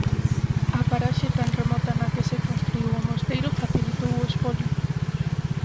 A paraxe tan remota na que se construíu o mosteiro facilitou o espolio.